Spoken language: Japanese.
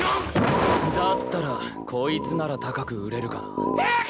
だったらこいつなら高く売れるかな。